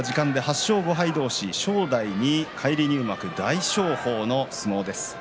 ８勝５敗同士、正代に返り入幕大翔鵬の相撲です。